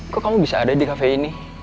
kok kamu bisa ada di kafe ini